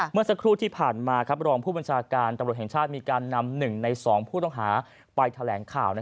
เมื่อสักครู่ที่ผ่านมารองผู้บัญชาการตำรวจแห่งชาติมีการนำ๑ใน๒ผู้ต้องหาไปแถลงข่าว